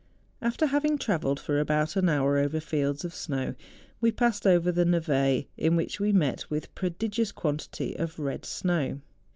After having travelled for about an hour over fields of snow, we passed over the neve, in which we met with a prodigious quantity of red snow.